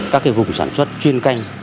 các cái vùng sản xuất chuyên canh